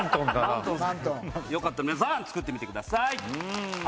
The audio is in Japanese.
よかったら皆さん作ってみてください。